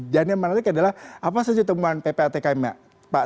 dan yang menarik adalah apa saja temuan ppatkm nya pak